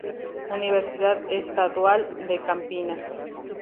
Universidad Estadual de Campinas.